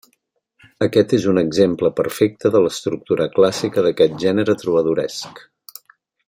Aquest és un exemple perfecte de l'estructura clàssica d'aquest gènere trobadoresc.